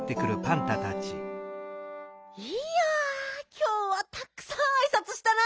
いやきょうはたくさんあいさつしたな。